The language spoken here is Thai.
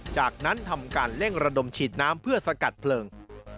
จากนั้นทำการเร่งระดมฉีดน้ำเพื่อสกัดเพลิง